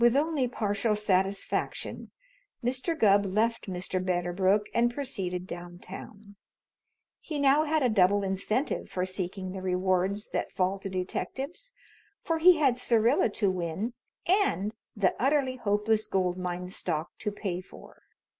With only partial satisfaction Mr. Gubb left Mr. Medderbrook and proceeded downtown. He now had a double incentive for seeking the rewards that fall to detectives, for he had Syrilla to win and the Utterly Hopeless Gold Mine stock to pay for.